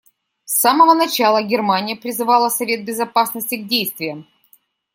С самого начала Германия призывала Совет Безопасности к действиям.